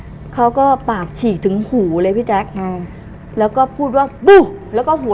แล้วเขาก็ปากฉีกถึงหูเลยพี่แจ๊คอืมแล้วก็พูดว่าบึ้งแล้วก็หัว